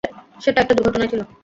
সেটা একটা দূর্ঘটনায় ছিল।